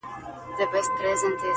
پرون ورور سبا تربور وي بیا دښمن سي!!